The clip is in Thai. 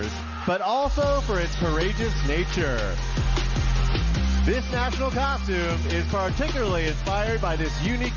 สวัสดีค่ะสวัสดีแฟนบันเทิงไทยรัฐนะคะ